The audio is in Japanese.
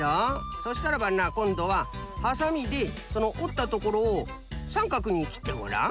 そしたらばなこんどはハサミでそのおったところをさんかくにきってごらん？